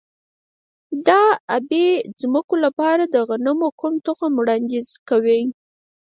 د ابي ځمکو لپاره د غنمو کوم تخم وړاندیز کوئ؟